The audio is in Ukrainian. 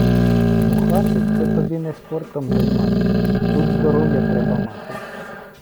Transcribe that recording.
Бухати це тобі не спортом займатись, тут здоров'я треба мати